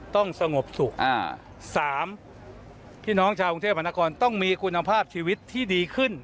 ต้องสงบสุขอ่าสามพี่น้องชาวกรุงเทพมหานครต้องมีคุณภาพชีวิตที่ดีขึ้น